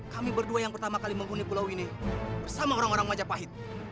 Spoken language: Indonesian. kami berdua yang pertama kali membunuh pulau ini bersama orang orang wajah pahit